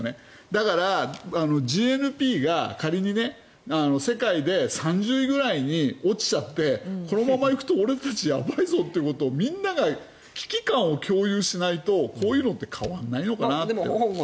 だからＧＮＰが仮に世界で３０位ぐらいに落ちちゃってこのまま行くと俺たち、やばいぞとみんなが危機感を共有しないとこういうのって変わらないのかなと。